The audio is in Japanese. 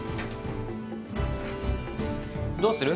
どうする？